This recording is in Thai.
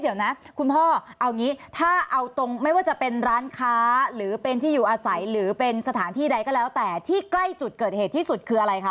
เดี๋ยวนะคุณพ่อเอางี้ถ้าเอาตรงไม่ว่าจะเป็นร้านค้าหรือเป็นที่อยู่อาศัยหรือเป็นสถานที่ใดก็แล้วแต่ที่ใกล้จุดเกิดเหตุที่สุดคืออะไรคะ